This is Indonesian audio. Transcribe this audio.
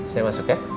saya masuk ya